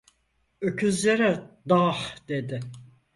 Öküzlere "dah!" dedi.